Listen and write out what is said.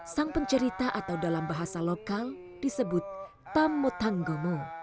sang pencerita atau dalam bahasa lokal disebut tamu tanggomo